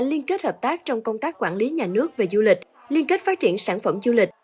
liên kết hợp tác trong công tác quản lý nhà nước về du lịch liên kết phát triển sản phẩm du lịch